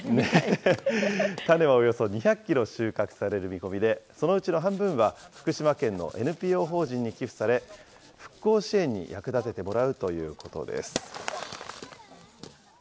種はおよそ２００キロ収穫される見込みで、そのうちの半分は福島県のＮＰＯ法人に寄付され、復興支援に役立楽しかった。